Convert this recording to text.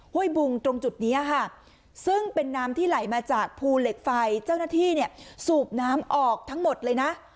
ห้วบุงตรงจุดนี้ค่ะซึ่งเป็นน้ำที่ไหลมาจากภูเหล็กไฟเจ้าหน้าที่เนี่ยสูบน้ำออกทั้งหมดเลยนะ